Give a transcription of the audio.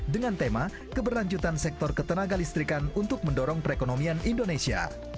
dengan tema keberlanjutan sektor ketenaga listrikan untuk mendorong perekonomian indonesia